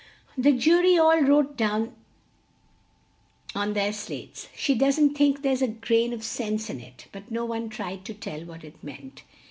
The ju ry all wrote down on their slates, "She doesn't think there's a grain of sense in it." But no one tried to tell what it meant.